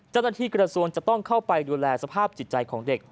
เจ้าหน้าที่กระทรวงจะต้องเข้าไปดูแลสภาพจิตใจของเด็ก